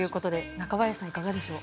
中林さん、いかがでしょう。